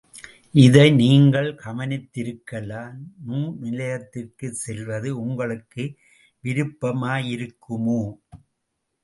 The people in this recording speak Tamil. இதை நீங்கள் கவனித்திருக்கலாம் நூல்நிலையத்திற்குச் செல்வது உங்களுக்கு விருப்பமாயிருக்குமோ?